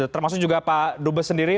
termasuk juga pak dubes sendiri